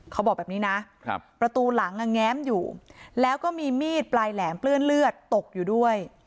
เขาบอกแบบนี้นะประตูหลังแง้มอยู่แล้วก็มีมีดปลายแหลมเปื้อนเลือดตกอยู่ด้วย